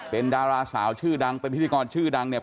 เป็นดาราสาวชื่อดังเป็นพิธีกรชื่อดังเนี่ย